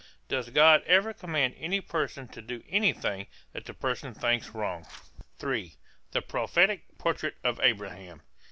Does God ever command any person to do anything that the person thinks wrong? III. THE PROPHETIC PORTRAIT OF ABRAHAM.